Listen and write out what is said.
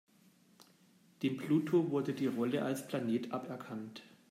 Dem Pluto wurde die Rolle als Planet aberkannt.